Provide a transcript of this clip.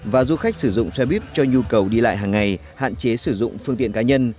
và du khách sử dụng xe buýt cho nhu cầu đi lại hàng ngày hạn chế sử dụng phương tiện cá nhân